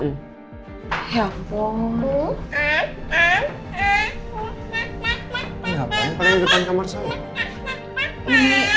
ini gapapa yang ke depan kamar sama